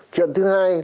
chuyện thứ hai